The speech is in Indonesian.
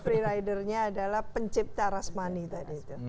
free ridernya adalah pencipta rasmani tadi itu